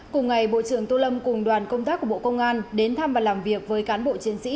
cùng ngày bộ trưởng tô lâm cùng đoàn công tác của bộ công an đến thăm và làm việc với cán bộ chiến sĩ